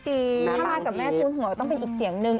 ถ้ามากับแม่จูนหัวต้องเป็นอีกเสียงนึง